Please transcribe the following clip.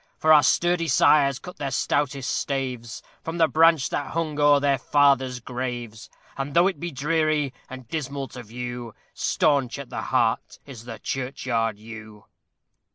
For our sturdy sires cut their stoutest staves From the branch that hung o'er their fathers' graves; And though it be dreary and dismal to view, Staunch at the heart is the churchyard yew.